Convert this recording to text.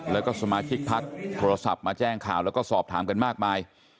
แล้วก็สมาชิกพักโทรศัพท์มาแจ้งข่าวแล้วก็สอบถามกันมากมาย